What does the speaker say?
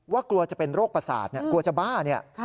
ว่ากลัวจะเป็นโรคประสาทกลัวจะบ้า